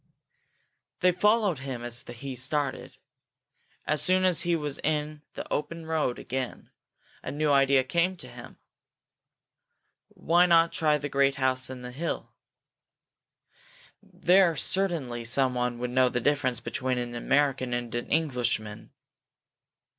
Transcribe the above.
They followed him as he started. As soon as he was in the open road again, a new idea came to him. Why not try the great house on the hill? There certainly someone would know the difference between an American and an Englishman.